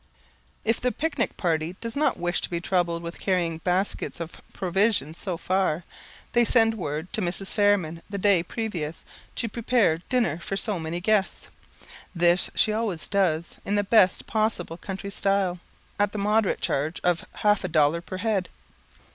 If the pic nic party does not wish to be troubled with carrying baskets of provisions so far, they send word to Mrs. Fairman the day previous, to prepare dinner for so many guests. This she always does in the best possible country style, at the moderate charge of half a dollar per head.